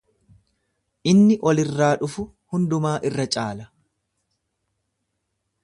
Inni olirraa dhufu hundumaa irra caala.